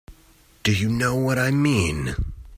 Do you know what I mean?